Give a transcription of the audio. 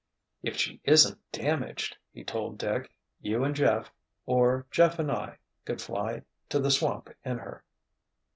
"If she isn't damaged," he told Dick, "you and Jeff, or Jeff and I could fly to the swamp in her."